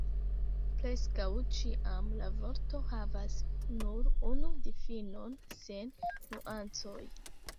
Preskaŭ ĉiam la vorto havas nur unu difinon, sen nuancoj.